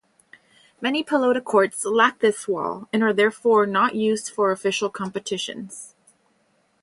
Many pelota courts lack this wall, and are therefore not used for official competitions.